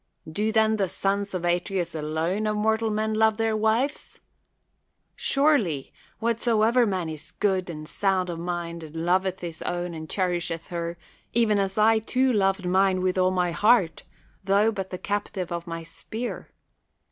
Do then the sons of Atreus alone of mortal men love their wives? Surely, what soever man is good and sound of mind and lov etli his own and cherisheth her, even as I, too, loved mine with all my heart, tho but the cap tive of my spear.